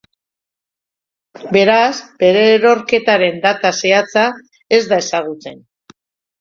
Beraz, bere erorketaren data zehatza, ez da ezagutzen.